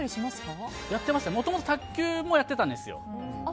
もともと卓球もやっていたんですよ。